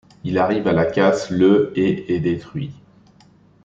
Il arrive à la casse le et est détruit.